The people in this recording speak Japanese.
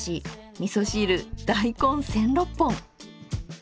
みそ汁大根千六本！